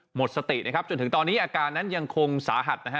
หมดสตินะครับจนถึงตอนนี้อาการนั้นยังคงสาหัสนะฮะ